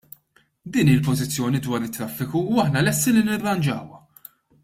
Din hi l-pożizzjoni dwar it-traffiku u aħna lesti li nirranġawha.